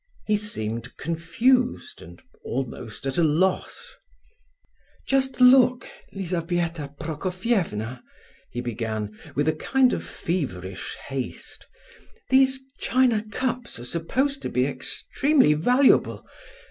He seemed confused and almost at a loss. "Just look, Lizabetha Prokofievna," he began, with a kind of feverish haste; "these china cups are supposed to be extremely valuable.